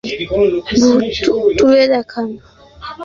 তখন স্ত্রী নিজ মাথা থেকে ওড়না তুলে দেখান।